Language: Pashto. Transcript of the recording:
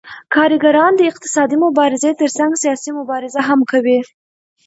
کارګران د اقتصادي مبارزې ترڅنګ سیاسي مبارزه هم کوي